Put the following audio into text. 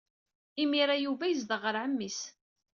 Imir-a Yuba yezdeɣ ɣer ɛemmi-s.